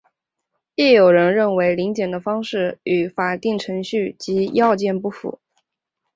亦有人认为临检的方式与法定程序及要件不符。